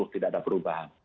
tidak ada perubahan